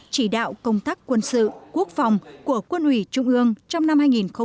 chỉ đạo công tác quân sự quốc phòng của quân ủy trung ương trong năm hai nghìn hai mươi